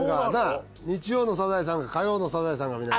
日曜の『サザエさん』か火曜の『サザエさん』かみたいな。